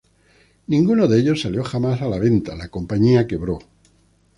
Ninguno de ellos salió jamás a la venta; la compañía quebró.